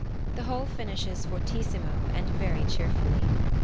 The whole finishes fortissimo and very cheerfully.